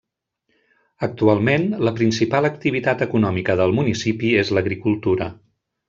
Actualment, la principal activitat econòmica del municipi és l'agricultura.